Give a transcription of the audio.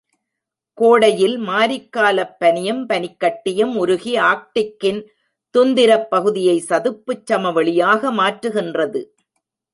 கோடையில் மாரிக்காலப் பனியும், பனிக்கட்டியும் உருகி ஆர்க்டிக்கின் துந்திரப் பகுதியை சதுப்புச் சமவெளியாக மாற்றுகின்றது.